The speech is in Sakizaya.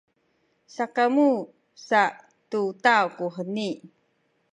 sakamu sa tu taw kuheni.